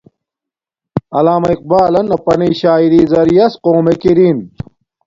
علامہ اقبالن اپنݵ شاعری زریعیاس قوم ایک ارین